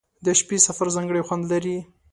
• د شپې سفر ځانګړی خوند لري.